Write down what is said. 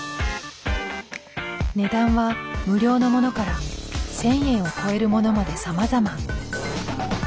値段は無料のものから１，０００円を超えるものまでさまざま。